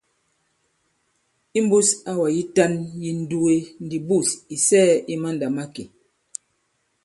Imbūs awà yitan yi ǹnduge ndi bûs ì sɛɛ̄ i mandàmakè.